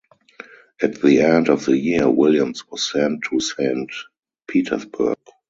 At the end of the year Williams was sent to Saint Petersburg.